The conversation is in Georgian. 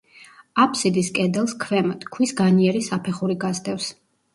აფსიდის კედელს, ქვემოთ, ქვის განიერი საფეხური გასდევს.